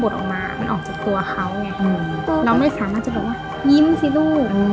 ถ้ามันบนนี่ออกจากตัวเขาเนี่ยเราไม่สามารถยิ้มซิลูก